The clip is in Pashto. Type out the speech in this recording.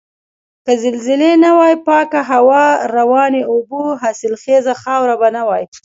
که زلزلې نه وای پاکه هوا، روانې اوبه، حاصلخیزه خاوره به نه وای.